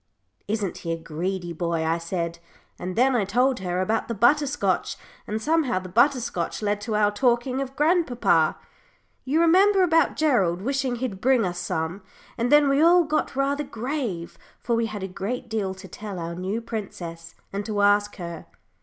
"Isn't he a greedy boy?" I said; and then I told her about the butter scotch, and somehow the butter scotch led to our talking of grandpapa you remember about Gerald wishing he'd bring us some and then we all got rather grave, for we had a great deal to tell our new princess, and to ask her.